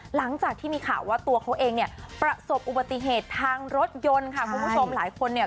หลังจากที่มีข่าวว่าตัวเขาเองเนี่ยประสบอุบัติเหตุทางรถยนต์ค่ะคุณผู้ชมหลายคนเนี่ย